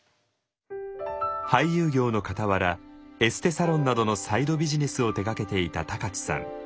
俳優業のかたわらエステサロンなどのサイドビジネスを手がけていた高知さん。